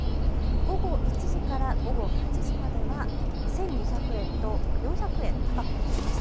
午後１時から午後８時までは１２００円と、４００円高くなります。